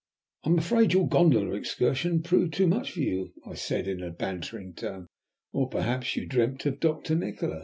"I am afraid your gondola excursion proved too much for you," I said, in a bantering tone, "or perhaps you dreamt of Doctor Nikola."